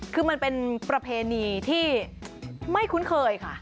คือมันเป็นประเพณีที่ไม่คุ้นเคยค่ะ